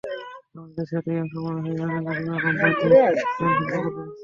কিন্তু আমাদের দেশের অধিকাংশ মানুষই জানে না, বিমা কোম্পানির পেনশন প্রকল্প আছে।